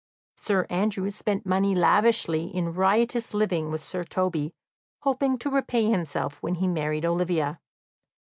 Sir Andrew spent money lavishly in riotous living with Sir Toby, hoping to repay himself when he married Olivia.